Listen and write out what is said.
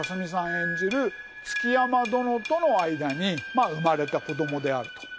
演じる築山殿との間に生まれた子供であると。